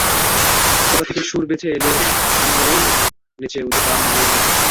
কোথা থেকে সুর ভেসে এলে আনমনেই নেচে ওঠে তাঁর মনের ভেতরটা।